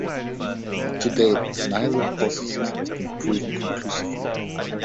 To date neither hypothesis has been proven conclusively.